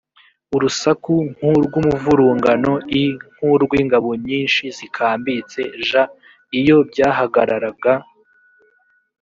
urusaku nk urw umuvurungano i nk urw ingabo nyinshi zikambitse j iyo byahagararaga